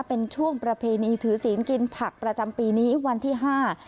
เป็นช่วงประเพณีถือศีลกินผักประจำปีนี้วันที่ห้า